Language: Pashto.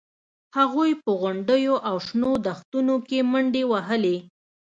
هغوی په غونډیو او شنو دښتونو کې منډې وهلې